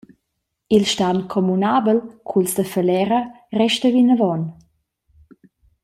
Il stan communabel culs da Falera resta vinavon.